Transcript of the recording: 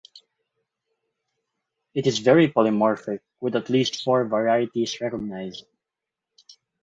It is very polymorphic with at least four varieties recognized.